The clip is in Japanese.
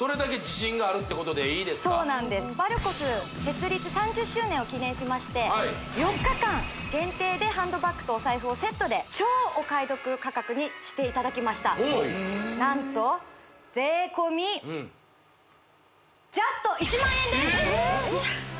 いきなりそうなんですバルコス設立３０周年を記念しまして４日間限定でハンドバッグとお財布をセットで超お買い得価格にしていただきました何と税込みジャスト１万円です！えっ！？